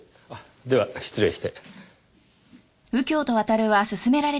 では失礼して。